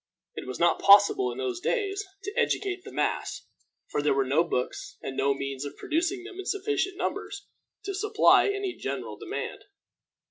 It was not possible, in those days, to educate the mass, for there were no books, and no means of producing them in sufficient numbers to supply any general demand.